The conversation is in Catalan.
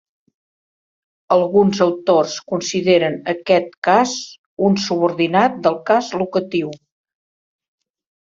Alguns autors consideren aquest cas un subordinat del cas locatiu.